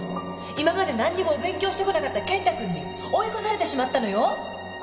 今まで何にもお勉強してこなかった健太君に追い越されてしまったのよ